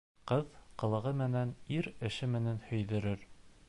Ҡыҙ ҡылығы менән, ир эше менән һөйҙөрөр.